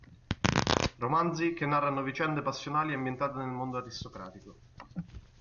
Romanzi che narrano vicende passionali ambientate nel mondo aristocratico.